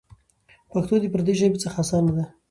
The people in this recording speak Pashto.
پښتو د پردۍ ژبې څخه اسانه ده.